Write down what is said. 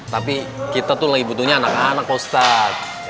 tapi kita tuh lagi butuhnya anak anak ustadz